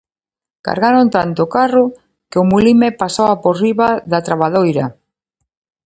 Cargaron tanto o carro que o mulime pasaba por riba da trabadoira.